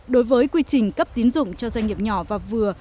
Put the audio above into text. đối với quy trình cấp tín dụng cho doanh nghiệp nhỏ và vừa